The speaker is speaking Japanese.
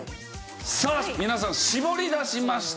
さあ皆さん絞り出しました。